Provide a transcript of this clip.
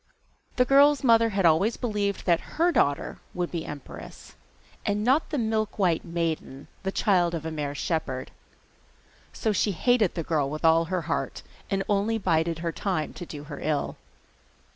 The girl's mother had always believed that her daughter would be empress, and not the 'Milkwhite Maiden,' the child of a mere shepherd. So she hated the girl with all her heart, and only bided her time to do her ill.